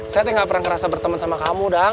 saya tuh gak pernah ngerasa berteman sama kamu dong